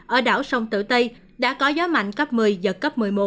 ở đảo sông tử tây đã có gió mạnh cấp một mươi giật cấp một mươi một